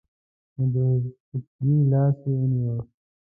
نو د قبطي لاس یې ونیوه.